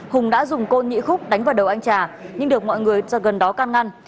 hùng đã dùng côn nhị khúc đánh vào đầu anh trà nhưng được mọi người ra gần đó can ngăn